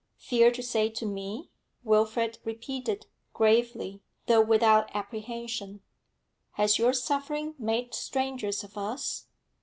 'Fear to say to me?' Wilfrid repeated, gravely, though without apprehension. 'Has your suffering made strangers of us?'